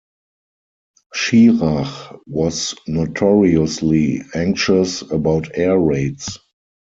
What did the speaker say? Schirach was notoriously anxious about air raids.